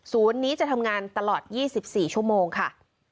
นี้จะทำงานตลอด๒๔ชั่วโมงค่ะ